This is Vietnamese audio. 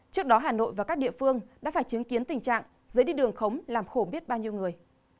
trước đó hà nội và các địa phương đã phải chứng kiến tình trạng dưới đi đường khống làm khổ biết bao nhiêu người